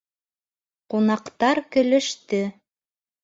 Ҡунаҡтар көлөштө.